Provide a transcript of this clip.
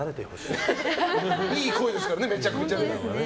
いい声ですからねめちゃめちゃ。